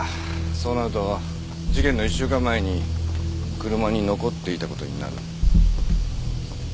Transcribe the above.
そうなると事件の１週間前に車に残っていた事になる。